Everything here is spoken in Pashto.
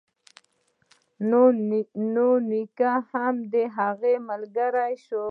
نو نيکه هم د هغه ملگرى سو.